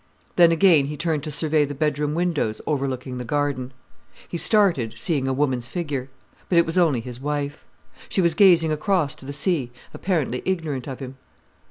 Then again he turned to survey the bedroom windows overlooking the garden. He started, seeing a woman's figure; but it was only his wife. She was gazing across to the sea, apparently ignorant of him.